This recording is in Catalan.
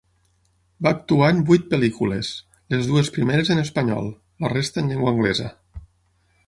Va actuar en vuit pel·lícules, les dues primeres en espanyol, la resta en llengua anglesa.